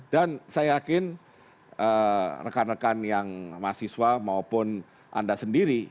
dan saya yakin rekan rekan yang mahasiswa maupun anda sendiri